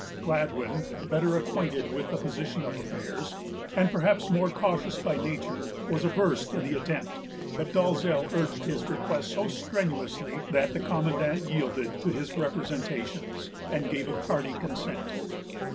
Gladwyn, better acquainted with the position of affairs, and perhaps more cautious by nature, was averse to the attempt; but Dalzell urged his request so strenuously that the commandant yielded to his representations, and gave a tardy consent.